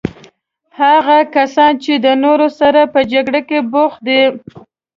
هغه کسان چې د نورو سره په جګړه بوخت دي.